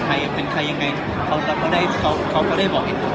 ใครเป็นใครอย่างไร